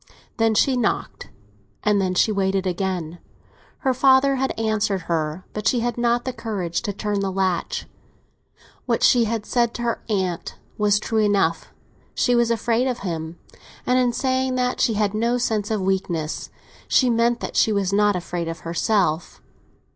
Then she knocked, and then she waited again. Her father had answered her, but she had not the courage to turn the latch. What she had said to her aunt was true enough—she was afraid of him; and in saying that she had no sense of weakness she meant that she was not afraid of herself.